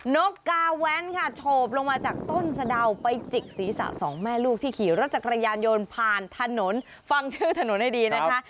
นกกาแว้นค่ะโฉบลงมาจากต้นสะดาวไปจิกศีรษะสองแม่ลูกที่ขี่รถจักรยานยนต์ผ่านถนนฟังชื่อถนนให้ดีนะคะ